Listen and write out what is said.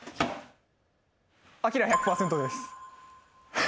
アキラ１００％です。